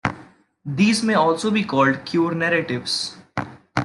These may also be called cure narratives.